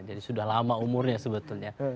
jadi sudah lama umurnya sebetulnya